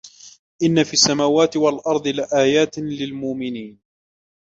إن في السماوات والأرض لآيات للمؤمنين